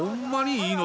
いいの？